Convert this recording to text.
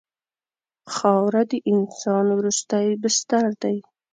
خاوره د انسان وروستی بستر دی.